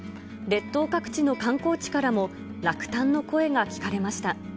列島各地の観光地からも、落胆の声が聞かれました。